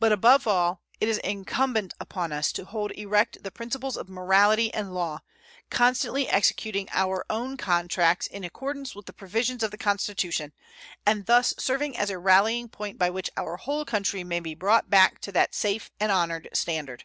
But above all, it is incumbent upon us to hold erect the principles of morality and law, constantly executing our own contracts in accordance with the provisions of the Constitution, and thus serving as a rallying point by which our whole country may be brought back to that safe and honored standard.